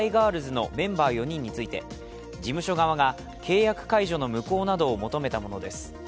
’のメンバー４人について事務所側が契約解除の無効などを求めたものです。